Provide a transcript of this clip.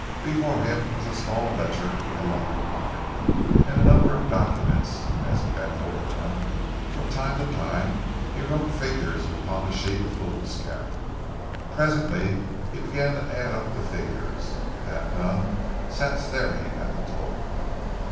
Before him was a small ledger with a lock upon it, and a number of documents, and as he bent over them, from time to time he wrote figures upon a sheet of foolscap. Presently he began to add up the figures, and that done sat staring at the total.